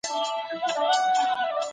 هغه ليک چي قوماندانانو ته وليکل سو، مهم و.